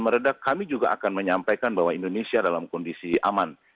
meredak kami juga akan menyampaikan bahwa indonesia dalam kondisi aman